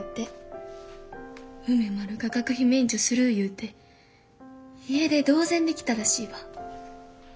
梅丸が学費免除する言うて家出同然で来たらしいわ。